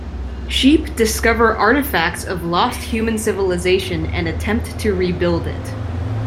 Sheep discover artifacts of lost human civilization and attempt to rebuild it.